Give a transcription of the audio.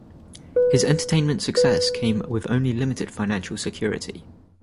His entertainment success came with only limited financial security.